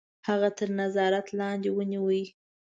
هغه تر نظارت لاندي ونیوی.